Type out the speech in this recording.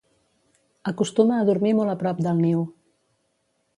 Acostuma a dormir molt a prop del niu.